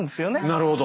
なるほど。